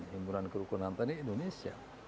himpunan kerukunan tani indonesia